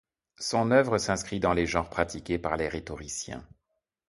Son œuvre s’inscrit dans les genres pratiqués par les rhétoriciens.